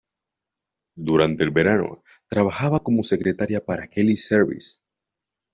Durante los veranos, trabajaba como secretaria para Kelly Services.